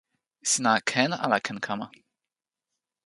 sina ken ala ken kama?